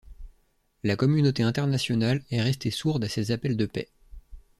La communauté internationale est restée sourde à ses appels de paix.